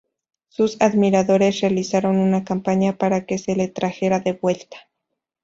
Sus admiradores realizaron una campaña para que se le trajera de vuelta.